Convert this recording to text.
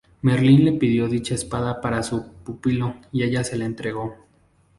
Merlín le pidió dicha espada para su pupilo y ella se la entregó.